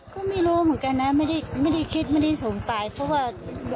ก็ไม่รู้เหมือนกันนะไม่ได้คิดไม่ได้สงสัยเพราะว่า